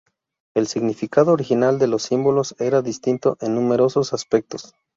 El significado original de los símbolos era distinto en numerosos aspectos.